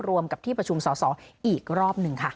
รวมกับที่ประชุมสอสออีกรอบหนึ่งค่ะ